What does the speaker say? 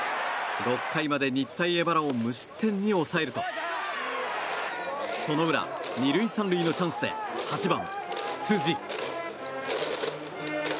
６回まで日体荏原を無失点に抑えるとその裏、２塁３塁のチャンスで８番、辻。